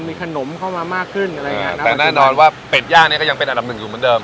มีขนมเข้ามามากขึ้นอะไรอย่างเงี้ยนะแต่แน่นอนว่าเป็ดย่างเนี้ยก็ยังเป็นอันดับหนึ่งอยู่เหมือนเดิม